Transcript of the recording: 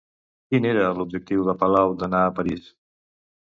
Quin era l'objectiu de Palau d'anar a París?